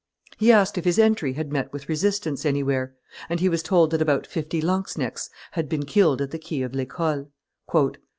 He asked if his entry had met with resistance anywhere; and he was told that about fifty lanzknechts had been killed at the quay of L'Ecole.